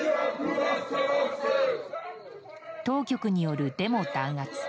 当局によるデモ弾圧。